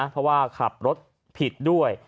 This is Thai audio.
เพราะว่าขับรถผิดด้วย